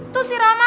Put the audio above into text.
tuh si rama